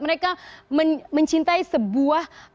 mereka mencintai sebuah